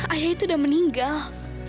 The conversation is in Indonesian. ayah itu udah meninggal